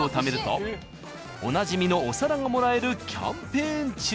おなじみのお皿がもらえるキャンペーン中！